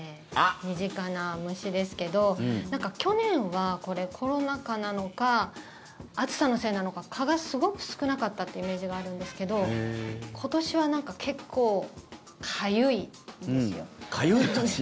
身近な虫ですけど去年はコロナ禍なのか暑さのせいなのか蚊がすごく少なかったってイメージがあるんですけど今年は結構かゆいんですよ。